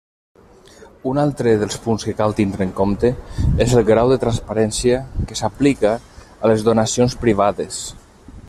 Un altre dels punts que cal tindre en compte és el grau de transparència que s'aplica a les donacions privades.